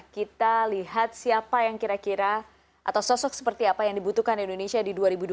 kita lihat siapa yang kira kira atau sosok seperti apa yang dibutuhkan indonesia di dua ribu dua puluh empat